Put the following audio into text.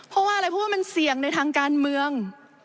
เพราะว่าอะไรเพราะว่ามันเสี่ยงในทางการเมือง